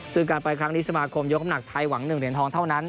ซึ่งการไปครั้งนี้สมาคมยกน้ำหนักไทยหวัง๑เหรียญทองเท่านั้น